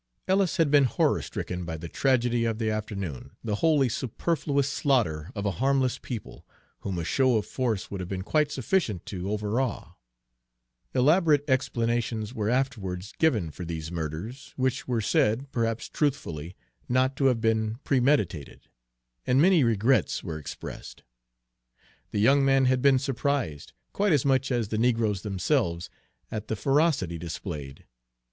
Ellis had been horror stricken by the tragedy of the afternoon, the wholly superfluous slaughter of a harmless people, whom a show of force would have been quite sufficient to overawe. Elaborate explanations were afterwards given for these murders, which were said, perhaps truthfully, not to have been premeditated, and many regrets were expressed. The young man had been surprised, quite as much as the negroes themselves, at the ferocity displayed.